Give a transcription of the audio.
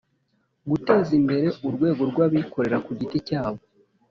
guteza imbere urwego rw'abikorera ku giti cyabo